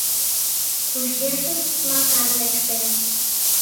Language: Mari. Почешышт Макар лектеш.